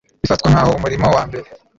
bifatwa nk aho umurimo wa mbere